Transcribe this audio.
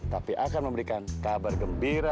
tapi akan memberikan kabar gembira